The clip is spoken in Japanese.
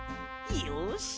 よし！